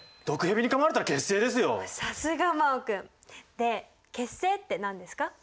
で血清って何ですか？